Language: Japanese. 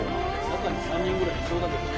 中に３人ぐらいいそうだけどね。